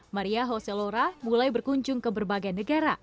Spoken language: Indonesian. maria hoselora mulai berkunjung ke berbagai negara